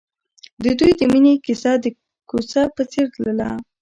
د دوی د مینې کیسه د کوڅه په څېر تلله.